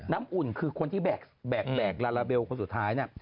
น้ำอุ่นคือคนที่แบกลาลาเบลคนสุดท้าย